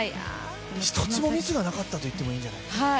１つもミスがなかったといってもいいんじゃないですか。